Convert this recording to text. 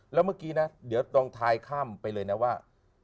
แล้วเมื่อกี้นะเดี๋ยวลองทายข้ามไปเลยนะว่า